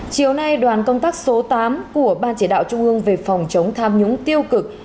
chiều nay đoàn công tác số tám của ban chỉ đạo trung ương về phòng chống tham nhũng tiêu cực